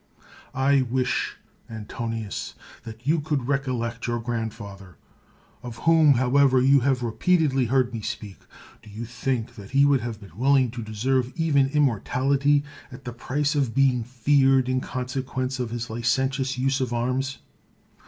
I wish, Antonius, that you could recollect your grandfather, of whom, however, you have repeatedly heard me speak. Do you think that he would have been willing to deserve even immor 165 THE WORLD'S FAMOUS ORATIONS tality, at the price of being feared in conse quence of his licentious use of arms?